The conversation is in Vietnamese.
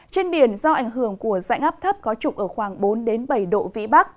trên biển do ảnh hưởng của dạng áp thấp có trục ở khoảng bốn đến bảy độ vĩ bắc